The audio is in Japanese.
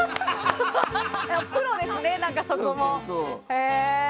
プロですね、そこも。